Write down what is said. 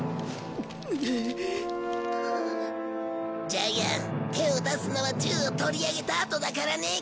ジャイアン手を出すのは銃を取り上げたあとだからね。